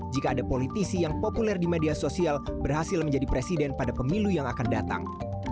jika ada politisi yang populer di media sosial berhasil menjadi presiden pada pemilu yang akan datang